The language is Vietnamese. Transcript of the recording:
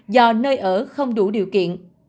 do nơi ở không đủ điều kiện